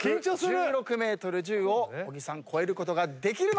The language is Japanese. １６ｍ１０を超えることができるか？